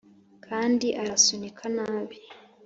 kandi arasunika nabi